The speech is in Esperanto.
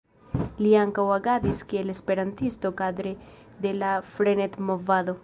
Li ankaŭ agadis kiel esperantisto kadre de la Frenet-movado.